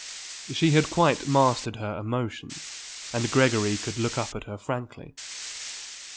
She had quite mastered her emotion and Gregory could look up at her frankly.